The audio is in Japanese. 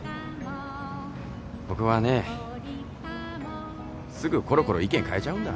僕はねすぐコロコロ意見変えちゃうんだ。